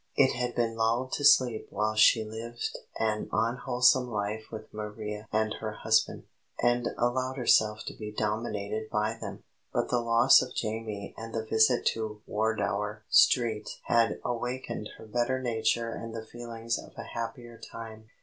It had been lulled to sleep while she lived an unwholesome life with Maria and her husband, and allowed herself to be dominated by them. But the loss of Jamie and the visit to Wardour Street had awakened her better nature and the feelings of a happier time.